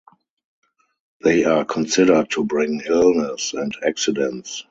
They are considered to bring illnesses and accidents.